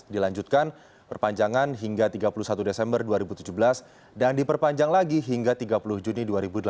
dilanjutkan perpanjangan hingga tiga puluh satu desember dua ribu tujuh belas dan diperpanjang lagi hingga tiga puluh juni dua ribu delapan belas